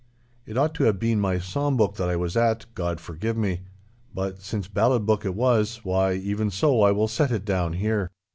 It ought to have been my psalm book that I was at, God forgive me; but since ballad book it was, why, even so will I set it down here.